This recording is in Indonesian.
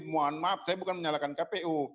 mohon maaf saya bukan menyalahkan kpu